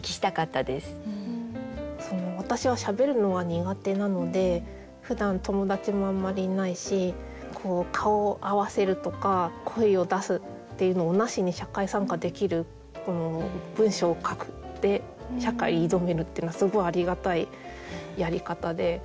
私はしゃべるのは苦手なのでふだん友達もあんまりいないし「顔を合わせる」とか「声を出す」っていうのをなしに社会参加できるこの「文章を書く」で社会に挑めるっていうのはすごいありがたいやり方で。